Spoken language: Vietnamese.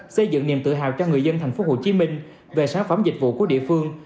xây dựng niềm tự hào cho người dân tp hcm về sản phẩm dịch vụ của địa phương